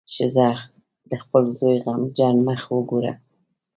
ښځه د خپل زوی غمجن مخ وګوره.